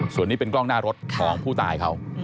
ส่วนนี้เป็นกล้องหน้ารถของผู้ตายเขา